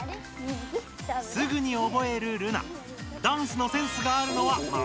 すぐにおぼえるルナ。